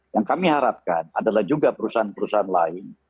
yang kami harapkan adalah juga perusahaan perusahaan lain